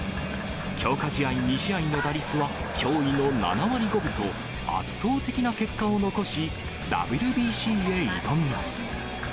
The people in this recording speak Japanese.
強化試合２試合の打率は驚異の７割５分と、圧倒的な結果を残し、ＷＢＣへ挑みます。